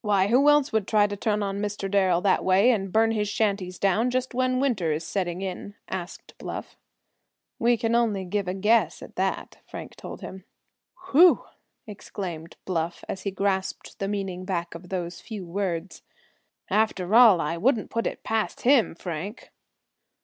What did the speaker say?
"Why, who else would try to turn on Mr. Darrel that way, and burn his shanties down just when winter is setting in?" asked Bluff. "We can only give a guess at that," Frank told him. "Whew!" exclaimed Bluff, as he grasped the meaning back of those few words. "After all, I wouldn't put it past him, Frank."